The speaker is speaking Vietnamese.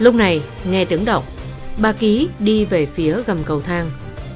lúc này nghe tưởng động ba ký đi về phía gầm cầu thang